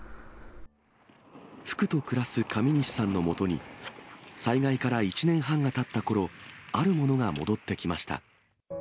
福と暮らす上西さんのもとに、災害から１年半がたったころ、あるものが戻ってきました。